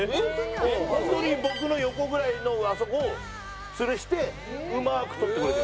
ホントに僕の横ぐらいのあそこをつるしてうまく撮ってくれてる。